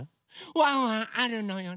ワンワンあるのよね。